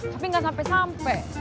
tapi gak sampai sampai